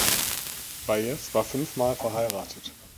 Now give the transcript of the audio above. Bayes war fünfmal verheiratet.